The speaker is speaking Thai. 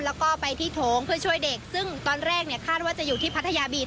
แล้วก็ไปที่โถงเพื่อช่วยเด็กซึ่งตอนแรกเนี่ยคาดว่าจะอยู่ที่พัทยาบีต